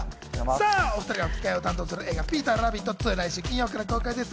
お２人が吹き替えを担当する映画『ピーターラビット２』は来週金曜から公開です。